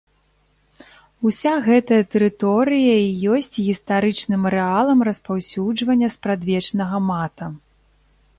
Уся гэтая тэрыторыя і ёсць гістарычным арэалам распаўсюджвання спрадвечнага мата.